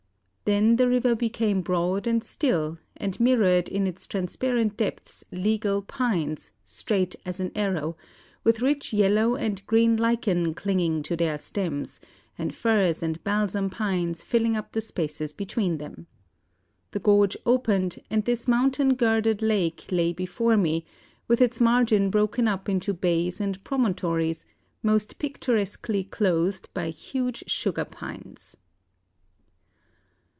Then the river became broad and still, and mirrored in its transparent depths regal pines, straight as an arrow, with rich yellow and green lichen clinging to their stems, and firs and balsam pines filling up the spaces between them. The gorge opened, and this mountain girdled lake lay before me, with its margin broken up into bays and promontories, most picturesquely clothed by huge sugar pines."